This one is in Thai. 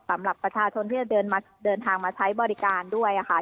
สำหรับประชาชนที่จะเดินทางมาใช้บริการด้วยค่ะ